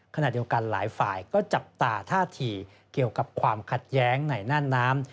ขณะเดียวกันหลายฝ่ายก็จับตาท่าทีเกี่ยวกับความขัดแย้งในน่านน้ำ